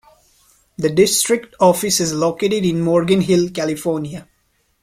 The District Office is located in Morgan Hill, California.